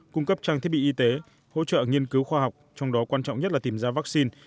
cung cấp trang thiết bị y tế hỗ trợ nghiên cứu khoa học trong đó quan trọng nhất là tìm ra vaccine